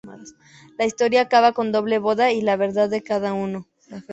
La historia acaba con una doble boda y la verdad de cada uno.